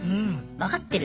わかってる。